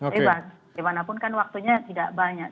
tapi bagaimanapun kan waktunya tidak banyak